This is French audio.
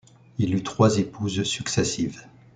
Il eut trois épouses successives.